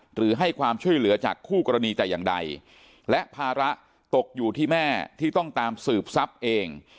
หรือให้ความช่วยเหลือจากคู่กรณีแต่อย่างใดและภาระตกอยู่ที่แม่ที่ต้องตามสืบทรัพย์เอง